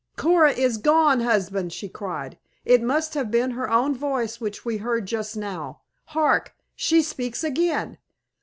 "Coora is gone, husband!" she cried. "It must have been her own voice which we heard just now. Hark! She speaks again!"